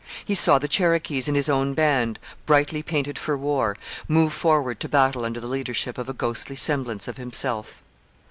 He saw the Cherokees and his own band, brightly painted for war, move forward to battle under the leadership of a ghostly semblance of himself.